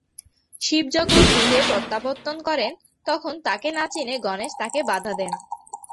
শিব যখন গৃহে প্রত্যাবর্তন করেন, তখন তাকে না চিনে গণেশ তাকে বাধা দেন।